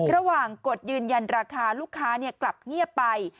ระหว่างกดยืนยันราคาลูกค้าเนี่ยกลับเงียบไป